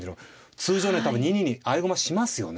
通常ね多分２二に合駒しますよね。